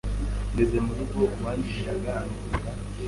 ngeze mu rugo uwandihiraga ambwira